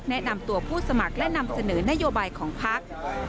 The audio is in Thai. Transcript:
แนะนำตัวผู้สมัครและนำเสนอนโยบายของพัก